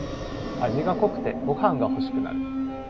味が濃くてご飯がほしくなる